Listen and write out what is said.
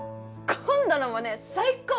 今度のもね最高！